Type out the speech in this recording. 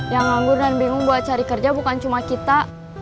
yang nganggur dan bingung buat cari kerja bukan cuma kita